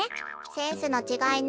センスのちがいね。